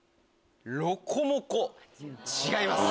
ロコモコ違います。